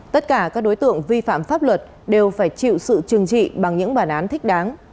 tất cả các đối tượng vi phạm pháp luật đều phải chịu sự trừng trị bằng những bản án thích đáng